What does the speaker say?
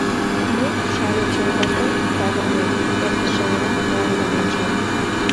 — Мый Шале чоҥга тыҥ савырнем, эртышемла, мландым ончем.